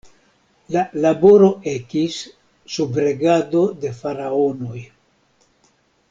La laboro ekis sub regado de Faraonoj.